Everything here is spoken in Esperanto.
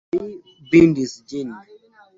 Mi bindis ĝin!